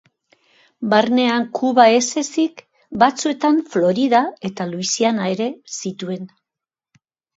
Barnean Kuba ez ezik, batzuetan Florida eta Luisiana ere zituen.